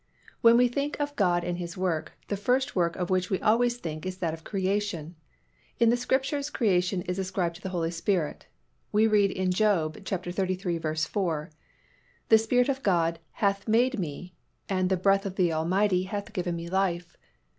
_ When we think of God and His work, the first work of which we always think is that of creation. In the Scriptures creation is ascribed to the Holy Spirit. We read in Job xxxiii. 4, "The Spirit of God hath made me, and the breath of the Almighty hath given me life."